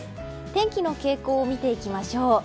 天気の傾向を見ていきましょう。